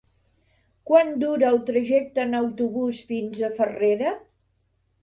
Quant dura el trajecte en autobús fins a Farrera?